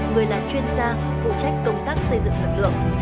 người là chuyên gia phụ trách công tác xây dựng lực lượng